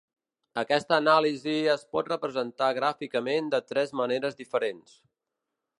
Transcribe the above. Aquesta anàlisi es pot representar gràficament de tres maneres diferents.